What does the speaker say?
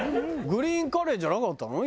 グリーンカレーじゃなかったの？